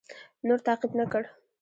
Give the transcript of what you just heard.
نور تعقیب نه کړ.